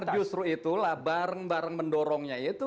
justru itulah bareng bareng mendorongnya itu